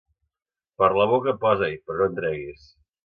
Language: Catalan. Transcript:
Per la boca, posa-hi, però no en treguis.